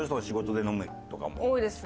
多いですよ。